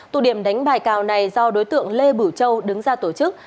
tụ điểm đánh bài cào này do đối tượng lê bửu châu đứng ra tổ chức